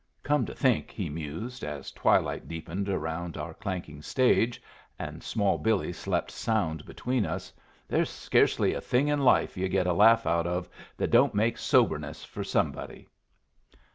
Come to think," he mused, as twilight deepened around our clanking stage, and small Billy slept sound between us, "there's scarcely a thing in life you get a laugh out of that don't make soberness for somebody."